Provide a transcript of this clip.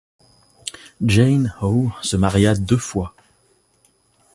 Jane How se maria deux fois.